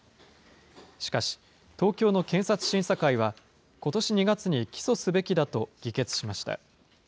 しかし、東京の検察審査会は、ことし２月に起訴すべきだと議決しました。